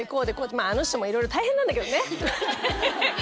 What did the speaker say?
あの人もいろいろ大変なんだけどね」とか言って。